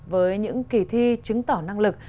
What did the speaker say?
với những kỳ thi chứng tỏ năng lực